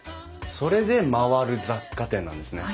それで「まわる雑貨店」なんですね。